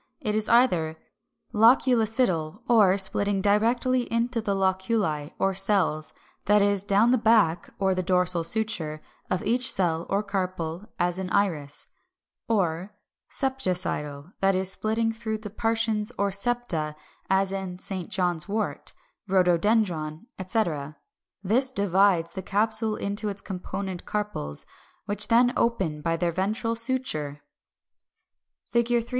It is either Loculicidal, or, splitting directly into the loculi or cells, that is, down the back (or the dorsal suture) of each cell or carpel, as in Iris (Fig. 395); or Septicidal, that is, splitting through the partitions or septa, as in St. John's wort (Fig. 396), Rhododendron, etc. This divides the capsule into its component carpels, which then open by their ventral suture.